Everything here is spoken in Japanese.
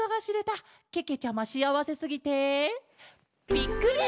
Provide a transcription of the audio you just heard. ぴっくり！